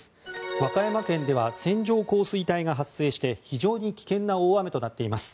和歌山県では線状降水帯が発生して非常に危険な大雨となっています。